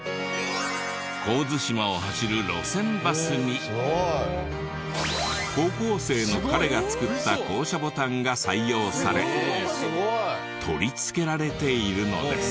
神津島を走る路線バスに高校生の彼が作った降車ボタンが採用され取り付けられているのです。